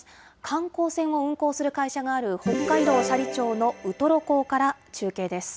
観光船を運航する会社がある北海道斜里町のウトロ港から中継です。